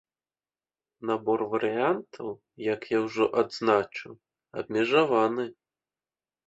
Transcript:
Набор варыянтаў, як я ўжо адзначыў, абмежаваны.